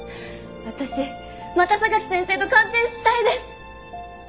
私また榊先生と鑑定したいです！